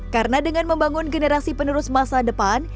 karena dengan membangun generasi penerus masa depan